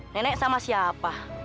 nenek sama siapa